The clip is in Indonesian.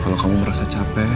kalau kamu merasa capek